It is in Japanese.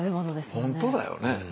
本当だよね。